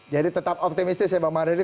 jadi tetap optimistis ya bang mardhani